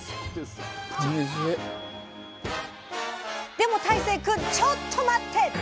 でも大聖くんちょっと待って。